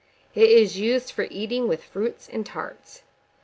It is used for eating with fruits and tarts.